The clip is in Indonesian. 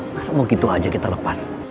masa mau gitu aja kita lepas